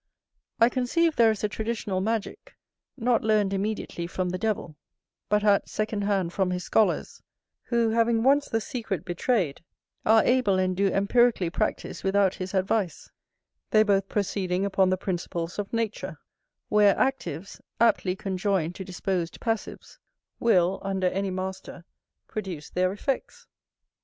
I conceive there is a traditional magick, not learned immediately from the devil, but at second hand from his scholars, who, having once the secret betrayed, are able and do empirically practise without his advice; they both proceeding upon the principles of nature; where actives, aptly conjoined to disposed passives, will, under any master, produce their effects.